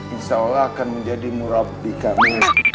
insya allah akan menjadi murabbi kami